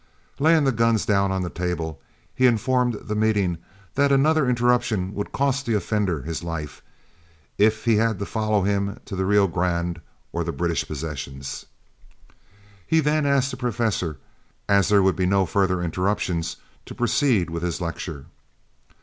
Laying the guns down on the table, he informed the meeting that another interruption would cost the offender his life, if he had to follow him to the Rio Grande or the British possessions. He then asked the professor, as there would be no further interruptions, to proceed with his lecture.